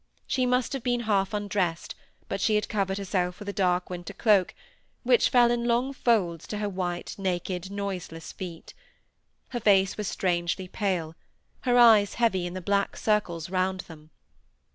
She must have been half undressed; but she had covered herself with a dark winter cloak, which fell in long folds to her white, naked, noiseless feet. Her face was strangely pale: her eyes heavy in the black circles round them.